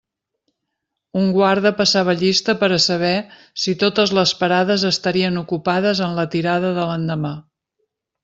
Un guarda passava llista per a saber si totes les parades estarien ocupades en la tirada de l'endemà.